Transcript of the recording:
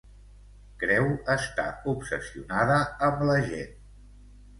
Creu estar obsessionada amb la gent.